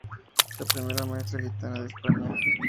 La primera maestra gitana de España.